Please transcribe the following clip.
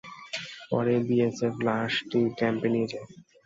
পরে বিএসএফ লাশটি ক্যাম্পে নিয়ে যায়।